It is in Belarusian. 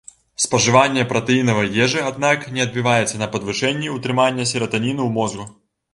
Спажыванне пратэінавай ежы, аднак, не адбіваецца на падвышэнні утрымання сератаніну ў мозгу.